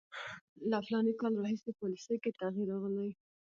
له فلاني کال راهیسې پالیسي کې تغییر راغلی.